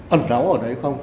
ẩn đấu ở đấy không